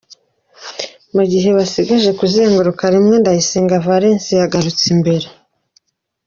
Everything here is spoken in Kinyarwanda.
: Mu gihe basigaje kuzenguruka rimwe, Ndayisenga Valens yagarutse imbere.